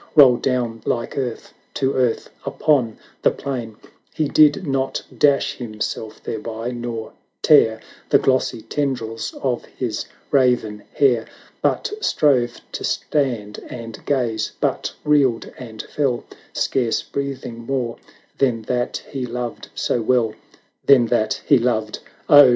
Roll down like earth to earth upon the plain; He did not dash himself thereby, nor tear The glossy tendrils of his raven hair. But strove to stand and gaze, but reeled and fell, Scarce breathing more than that he loved so well. Than that he loved ! Oh !